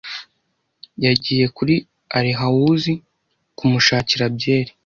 yagiye kuri alehawuzi kumushakira byeri"